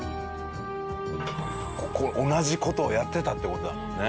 同じ事をやってたって事だもんね。